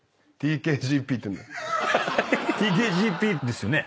ＴＫＧＰですよね？